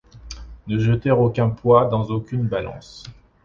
Ne jeter aucun poids dans aucune balance ;